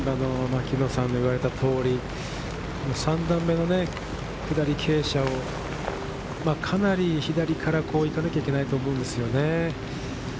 牧野さんが言われた通り、３段目の下り傾斜をかなり左から行かなきゃいけないと思うんですよね。